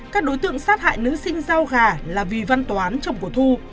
các đối tượng sát hại nữ sinh giao gà là vì văn toán chồng của thu